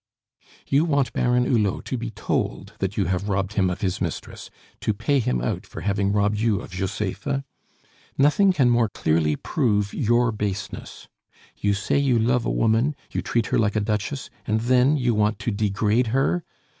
"You want Baron Hulot to be told that you have robbed him of his mistress, to pay him out for having robbed you of Josepha? Nothing can more clearly prove your baseness. You say you love a woman, you treat her like a duchess, and then you want to degrade her?